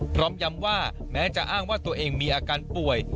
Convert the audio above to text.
พร้อมย้ำว่าแม้จะอ้างว่าตัวเองมีอาการป่วย